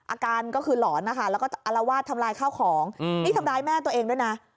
อาการก็คือหลอนนะคะแล้วก็อารวาสทำลายข้าวของนี่ทำร้ายแม่ตัวเองด้วยนะ